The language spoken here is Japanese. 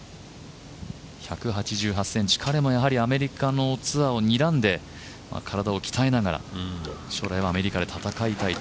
１８８ｃｍ、彼もアメリカのツアーをにらんで体を鍛えながら将来はアメリカで戦いたいと。